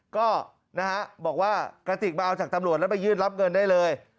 ก็นะฮะบอกว่ากระติกมาเอาจากตำรวจแล้วไปยื่นรับเงินได้เลย